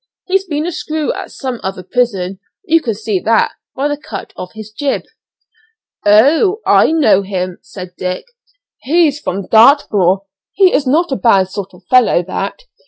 He's been a screw at some other prison; you can see that by the cut of his jib." "Oh! I know him," said Dick, "he's from Dartmoor; he is not a bad sort of fellow, that.